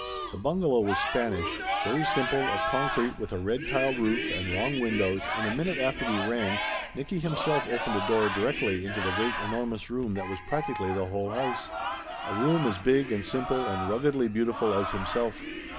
The bungalow was Spanish. Very simple, of con crete, with a red tiled roof and long windows, and a minute after we rang, Nicky himself opened a door directly into the great enormous room that was practically the whole house. A room as big and simple and ruggedly beautiful as himself.